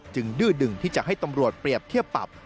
ดื้อดึงที่จะให้ตำรวจเปรียบเทียบปรับ